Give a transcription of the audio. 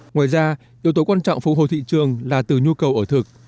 ngoài ra yếu tố quan trọng phục hồi thị trường là từ nhu cầu ở thực